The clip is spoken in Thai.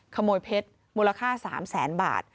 ขโมยเพชรมูลค่า๓แสนบาท